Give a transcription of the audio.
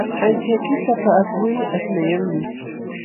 Aychaykita paqakuy aśhnayanmi.